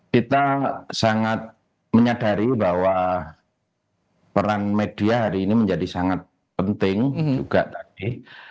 kita sangat menyadari bahwa peran media hari ini menjadi sangat penting juga tadi